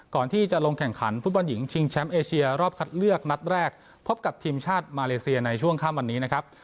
ก่อนที่จะลงแข่งขันฟุตบอลหญิงชิงแชมป์เอเชียรอบคัดเลือกนัดแรกพบกับทีมชาติมาเลเซียในช่วงข้ามวันนี้นะครับ